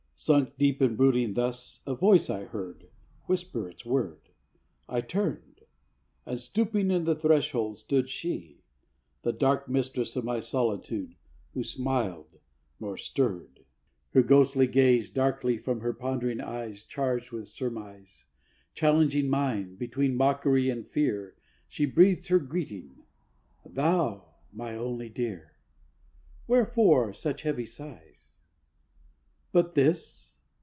Sunk deep in brooding thus, a voice I heard Whisper its word: I turnedŌĆöand, stooping in the threshold, stood SheŌĆöthe dark mistress of my solitude, Who smiled, nor stirred. Her ghost gazed darkly from her pondering eyes Charged with surmise; Challenging mine, between mockery and fear, She breathed her greeting, 'Thou, my only dear! Wherefore such heavy sighs?' 'But this?'